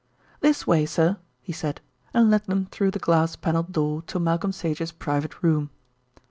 "This way, sir," he said, and led them through the glass panelled door to Malcolm Sage's private room.